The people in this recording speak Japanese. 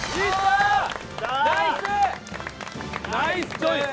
ナイスチョイス！